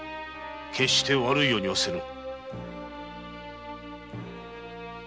決して悪いようにはせぬ。